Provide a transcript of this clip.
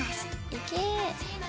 いけ。